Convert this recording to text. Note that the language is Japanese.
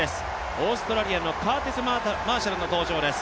オーストラリアのカーティス・マーシャルの登場です。